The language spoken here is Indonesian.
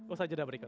usai jeda berikut